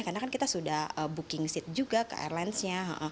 karena kan kita sudah booking seat juga ke airlines nya